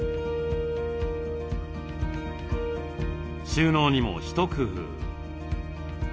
収納にも一工夫。